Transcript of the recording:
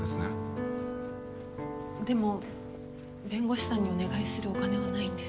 でも弁護士さんにお願いするお金はないんです。